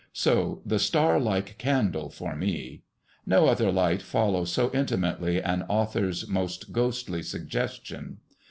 So the star like candle for me. No other light follows so intimately an author's most ghostly suggestion.